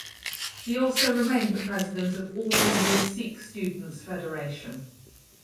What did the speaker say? He also remained the President of All India Sikh Students Federation.